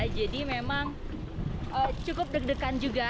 jadi memang cukup deg degan juga